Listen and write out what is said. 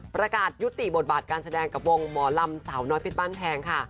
ประกาศยุติบทบาทการแสดงกับวงหมอลำสาวน้อยเพชรบ้านแพงค่ะ